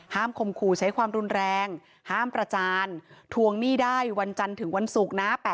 คมขู่ใช้ความรุนแรงห้ามประจานทวงหนี้ได้วันจันทร์ถึงวันศุกร์นะ